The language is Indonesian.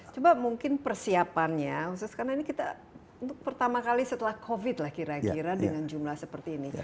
coba mungkin persiapannya khusus karena ini kita pertama kali setelah covid lah kira kira dengan jumlah seperti ini